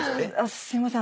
すいません。